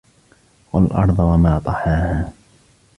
وَالْأَرْضِ وَمَا طَحَاهَا